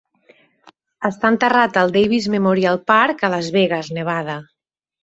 Està enterrat al Davis Memorial Park a Las Vegas, Nevada.